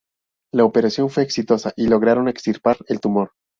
La operación fue exitosa y lograron extirpar el tumor.